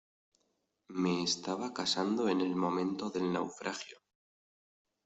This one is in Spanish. me estaba casando en el momento del naufragio.